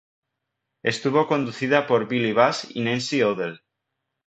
Estuvo conducida por Billy Bush y Nancy O'Dell.